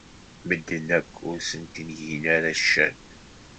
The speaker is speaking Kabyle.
Medden akk ur sent-gin ara ccan.